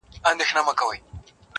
هغه وایي روژه به نور زما په اذان نسې,